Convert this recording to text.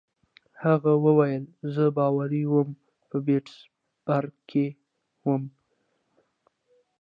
هغه وویل: زه باوري وم، په پیټسبرګ کې ووم.